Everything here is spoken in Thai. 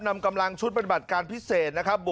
นำกำลังชุดปฏิบัติการพิเศษนะครับ